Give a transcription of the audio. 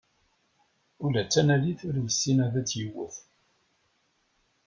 Ula d tanalit ur yessin ad tt-yewwet.